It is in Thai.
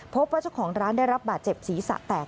พบว่าเจ้าของร้านได้รับบาดเจ็บศีรษะแตก